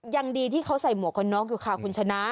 ยังดีที่เขาใส่หมวกกันน็อกอยู่ค่ะคุณชนะ